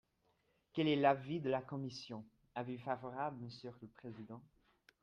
Quel est l’avis de la commission ? Avis favorable, monsieur le président.